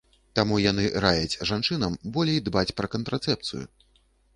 Таму яны раяць жанчынам болей дбаць пра кантрацэпцыю.